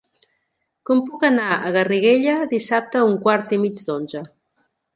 Com puc anar a Garriguella dissabte a un quart i mig d'onze?